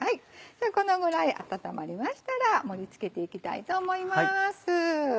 このぐらい温まりましたら盛り付けていきたいと思います。